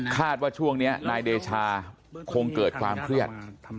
ว่าช่วงนี้นายเดชาคงเกิดความเครียด